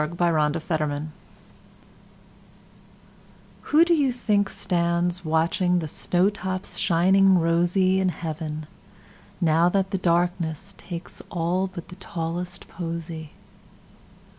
Everlasting Flowers WHO do you think stands watchingThe snow tops shining rosyIn heaven, now that the darknessTakes all but the tallest posy?